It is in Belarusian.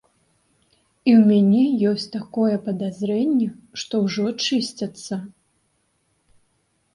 І ў мяне ёсць такое падазрэнне, што ўжо чысцяцца.